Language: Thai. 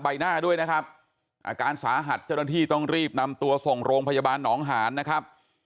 ใบหน้าด้วยนะครับอาการสาหัสเจ้าหน้าที่ต้องรีบนำตัวส่งโรงพยาบาลหนองหานนะครับ